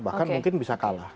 bahkan mungkin bisa kalah